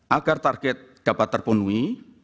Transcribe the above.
agar target dapat terpenuhi